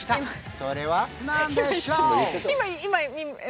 それは何でしょう？